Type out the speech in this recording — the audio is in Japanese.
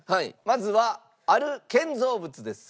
まずはある建造物です。